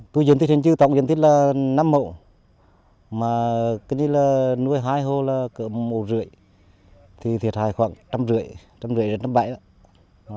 tôi diễn tích hình chư tổng diễn tích là năm mẫu mà cái như là nuôi hai hồ là cỡ một năm thì thiệt hại khoảng trăm rưỡi trăm rưỡi đến trăm bảy đó